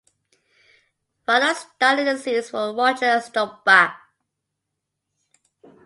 Final start in the series for Roger Staubach.